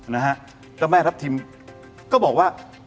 แล้วแม่ทัพทิมข่าก็บอกว่า